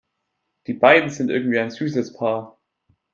Die beiden sind irgendwie ein süßes Paar.